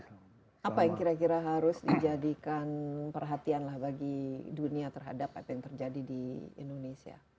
apa yang kira kira harus dijadikan perhatian lah bagi dunia terhadap apa yang terjadi di indonesia